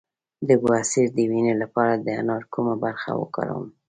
د بواسیر د وینې لپاره د انار کومه برخه وکاروم؟